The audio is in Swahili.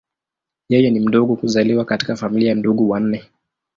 Yeye ni mdogo kuzaliwa katika familia ya ndugu wanne.